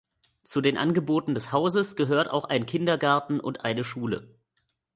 Zu den Angeboten des Hauses gehört auch ein Kindergarten und eine Schule.